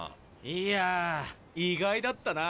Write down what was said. いや意外だったな。